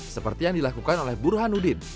seperti yang dilakukan oleh burhanuddin